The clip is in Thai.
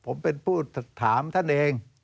ผมเป็นผู้ถามตัวเอง